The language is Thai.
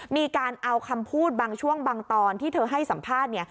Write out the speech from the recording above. มีการเอาคำพูดบางช่วงบางตอนที่เธอให้สัมภาษณ์